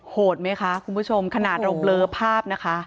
โหดไหมคะคุณผู้ชมขนาดเราเบลอภาพนะคะ